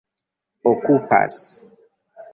okupas